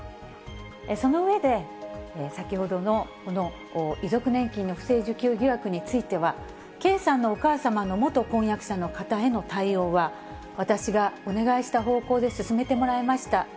その上で、先ほどのこの遺族年金の不正受給疑惑については、圭さんのお母様の元婚約者の方への対応は、私がお願いした方向で進めてもらいました。